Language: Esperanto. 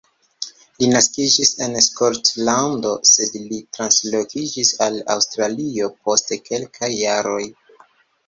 Li naskiĝis en Skotlando sed li translokiĝis al Aŭstralio post kelkaj jaroj.